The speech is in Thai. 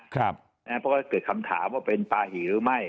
เพราะว่าเกิดคำถามว่าเป็นปลาหีหรือไม่